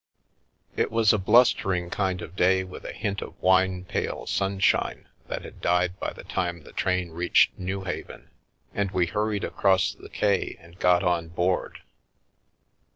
It was a blustering kind of day with a hint of wine pale sunshine that had died by the time the train reached Newhaven, and we hurried across the quay and got on board.